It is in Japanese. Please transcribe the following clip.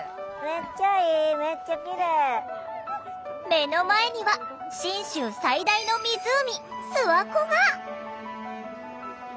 目の前には信州最大の湖諏訪湖が。